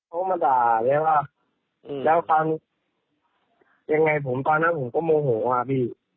เขาก็มาด่าแล้วก็ตอนนั้นผมก็โมโหว่าพี่